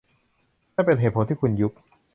นั่นเป็นเหตุผลที่คุณยุบ